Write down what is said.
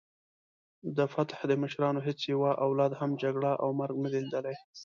د فتح د مشرانو هیڅ یوه اولاد هم جګړه او مرګ نه دی لیدلی.